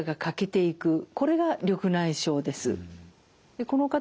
これが緑内障です。